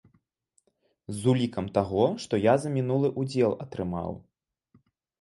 З улікам таго, што я за мінулы ўдзел атрымаў.